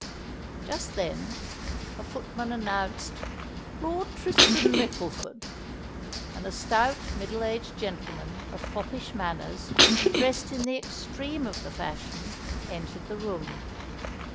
Just then a footman announced "Lord Tristan Mickleford!" and a stout, middle aged gentleman of foppish manners, dressed in the extreme of the fashion, entered the room.